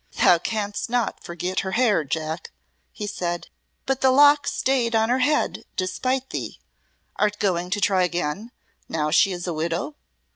"Thou canst not forget her hair, Jack," he said, "but the lock stayed on her head despite thee. Art going to try again, now she is a widow?"